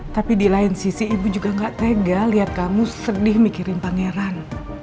tapi di lain sisi ibu juga gak tega lihat kamu sedih mikirin pangeran